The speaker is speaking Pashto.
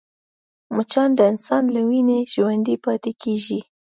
مچان د انسان له وینې ژوندی پاتې کېږي